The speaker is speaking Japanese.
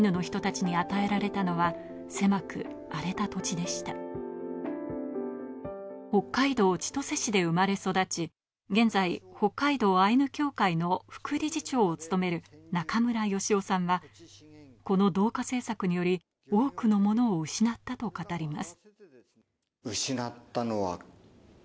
こうしたが行われましたがアイヌの人たちに現在北海道アイヌ協会の副理事長を務める中村吉雄さんはこの同化政策により多くのものを失ったと語ります